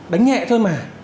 đánh nhẹ thôi mà